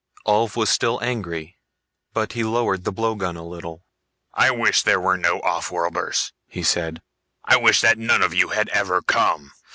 Ulv was still angry, but he lowered the blowgun a little. "I wish there were no offworlders," he said. "I wish that none of you had ever come.